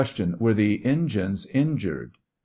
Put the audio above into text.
Were the engines injured?